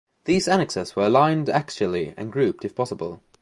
These annexes were aligned axially and grouped, if possible.